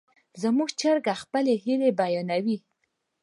زموږ چرګه خپلې هیلې بیانوي.